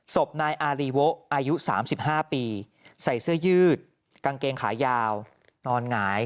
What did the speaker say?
ศพนายอารีโวะอายุ๓๕ปีใส่เสื้อยืดกางเกงขายาวนอนหงาย